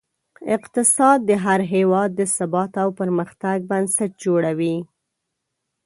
اقتصاد د هر هېواد د ثبات او پرمختګ بنسټ جوړوي.